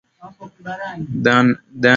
Dhana ya uchumi wa bluu ni mtambuka